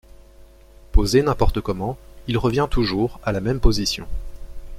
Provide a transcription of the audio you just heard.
Posé n'importe comment, il revient toujours à la même position.